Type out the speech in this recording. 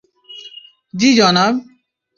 জ্বি, জনাব!